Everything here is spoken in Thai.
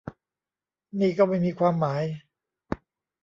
นี่ก็ไม่มีความหมาย